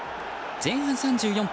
前半３４分